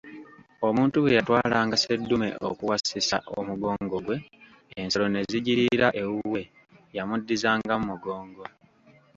"Omuntu bwe yatwalanga seddume okuwasisa omugongo gwe, ensolo ne zigiriira ewuwe, yamuddizangamu mugongo."